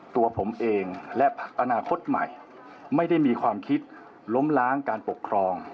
ตัวผมเองและพักอนาคตใหม่ไม่ได้มีความคิดล้มล้างการปกครอง